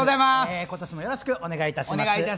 今年もよろしくお願いいたします。